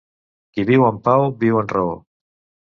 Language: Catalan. Qui viu en pau, viu en raó.